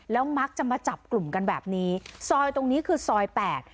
แล้วมักจะมาจับกลุ่มกันแบบนี้ซอยตรงนี้คือซอยแปด